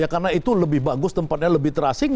karena itu lebih bagus tempatnya lebih terasing